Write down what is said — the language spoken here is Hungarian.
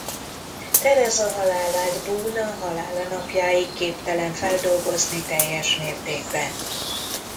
Theresa halálát Boone a halála napjáig képtelen feldolgozni teljes mértékben.